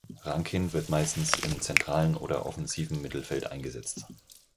Rankin wird meistens im zentralen oder offensiven Mittelfeld eingesetzt.